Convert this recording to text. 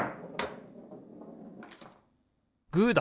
グーだ！